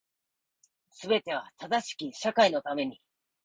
全ては正しき社会のために